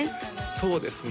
そうですね